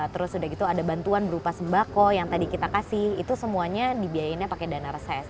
terus sudah gitu ada bantuan berupa sembako yang tadi kita kasih itu semuanya dibiayainnya pakai dana reses